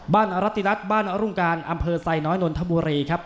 บ้านอรัติรัฐบ้านอรุงการอำเภอไซน์น้อยนนทบูรณ์